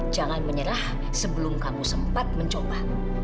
jangan menyerah sebelum kamu sempat mencoba